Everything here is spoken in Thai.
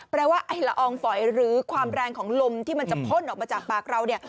ว่าไอ้ละอองฝอยหรือความแรงของลมที่มันจะพ่นออกมาจากปากเราเนี่ย